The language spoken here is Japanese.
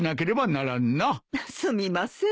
すみません。